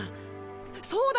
そうだ！